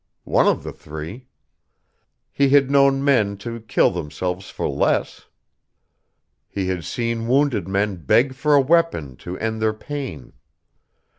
One of the three. He had known men to kill themselves for less. He had seen wounded men beg for a weapon to end their pain.